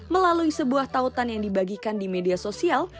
melalui sebuah tautan yang dibagikan di media sosial